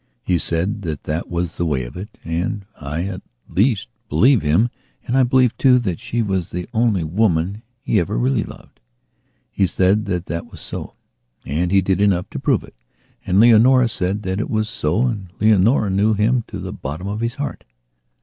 He said that that was the way of it and I, at least, believe him and I believe too that she was the only woman he ever really loved. He said that that was so; and he did enough to prove it. And Leonora said that it was so and Leonora knew him to the bottom of his heart.